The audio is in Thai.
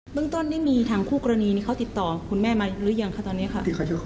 เรื่องต้นนี่มีทางคู่กรณีนี้เขาติดต่อคุณแม่มาหรือยังคะตอนนี้ค่ะ